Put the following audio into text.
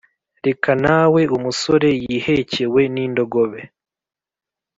reka nawe umusore yihekewe n'indogobe,